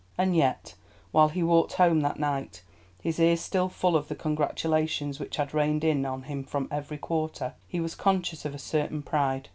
And yet while he walked home that night, his ears still full of the congratulations which had rained in on him from every quarter, he was conscious of a certain pride.